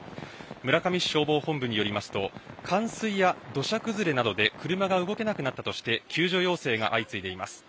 村上市消防本部によりますと冠水や土砂崩れなどで車が動けなくなったとして救助要請が続いています。